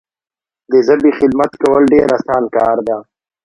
د ژبي خدمت کول ډیر اسانه کار دی.